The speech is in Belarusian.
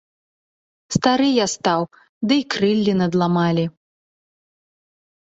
Стары я стаў, ды і крыллі надламалі.